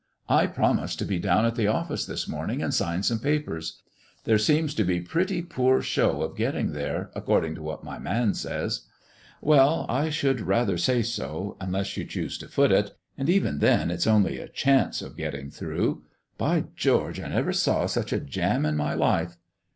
"I promised to be down at the office this morning and sign some papers. There seems to be pretty poor show of getting there, according to what my man says." "Well, I should rather say so, unless you choose to foot it; and even then it's only a chance of getting through. By George! I never saw such a jam in my life."